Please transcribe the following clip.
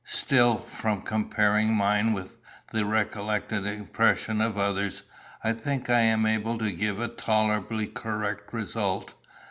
Still, from comparing mine with the recollected impressions of others, I think I am able to give a tolerably correct result.